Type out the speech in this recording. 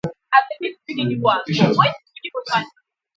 nke mezịrị na onye na-anyà ụgbọala ahụ enweghịzị ike ijidetenwu ya